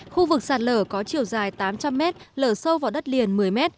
khu vực sạt lở có chiều dài tám trăm linh m lở sâu vào đất liền một mươi m